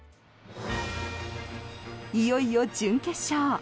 いよいよ準決勝。